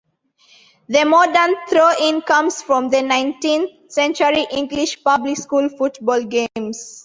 The modern throw-in comes from the nineteenth century English public school football games.